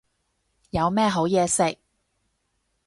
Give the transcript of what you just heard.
有咩好嘢食